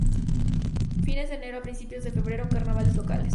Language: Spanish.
Fines de enero a principios de febrero: Carnavales locales.